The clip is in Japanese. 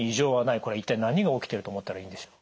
これ一体何が起きてると思ったらいいんでしょう？